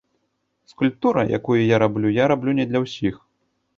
Скульптура, якую я раблю, я раблю не для ўсіх.